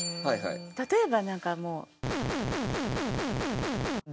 例えばなんかもう。